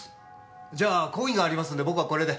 じゃあ講義がありますんで僕はこれで。